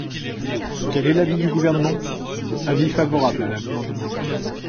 Quel est l’avis du Gouvernement ? Avis favorable à l’amendement.